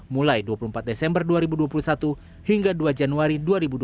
mulai dua puluh empat desember dua ribu dua puluh satu hingga dua januari dua ribu dua puluh